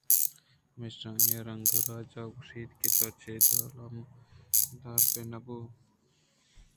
پمیشا آئیءَ رنگ رَجءَرا گوٛشت کہ تو چداں الّم درَاءُ بُہ رئو